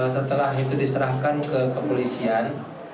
setelah itu diserahkan ke kepolisian